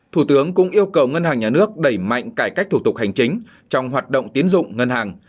thủ tướng cũng yêu cầu ngân hàng nhà nước đẩy mạnh cải cách thủ tục hành chính trong hoạt động tiến dụng ngân hàng